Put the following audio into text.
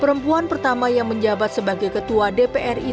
juga melakukan penembakan dengan peluru tajam sebagai simulasi menjatuhkan musuh